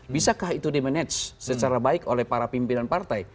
bisakah itu di manage secara baik oleh para pimpinan partai